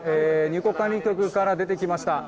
入国管理局から出てきました。